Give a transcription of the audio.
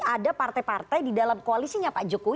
ada partai partai di dalam koalisinya pak jokowi